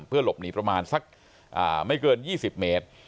เพื่อหลบหนีประมาณสักไม่เกิน๒๐เมตร